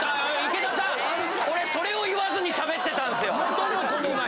俺それを言わずにしゃべってたんですよ！